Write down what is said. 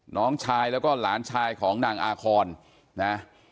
น้องชายแล้วก็หลานชายของนางอาคอนนะ